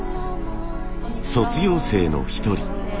卒業生の一人。